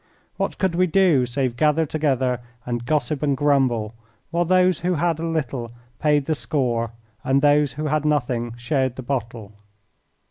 What could we do save gather together and gossip and grumble, while those who had a little paid the score and those who had nothing shared the bottle?